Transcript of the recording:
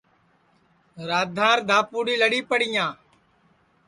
رادھانٚر دھاپُوڑی لڑیپڑِیاں